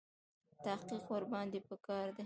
تحقیق ورباندې په کار دی.